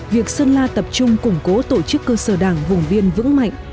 việc sơn la tập trung củng cố tổ chức cơ sở đảng vùng biên vững mạnh